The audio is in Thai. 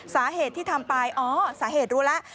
สาเหตุที่ทำไปอ๋อสาเหตุรู้แล้ว